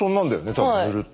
多分塗るって。